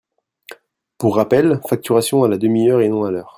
Pour rappel, facturation à la ½ heure et non à l’heure.